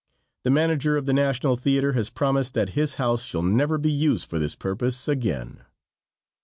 The manager of the National Theater has promised that his house shall never be used for this purpose again.